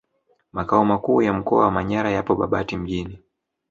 Makao makuu ya mkoa wa Manyara yapo Babati Mjini